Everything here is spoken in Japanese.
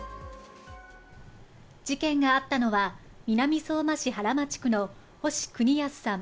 事件があったのは、南相馬市原町区の星邦康さん